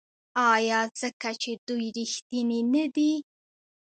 آیا ځکه چې دوی ریښتیني نه دي؟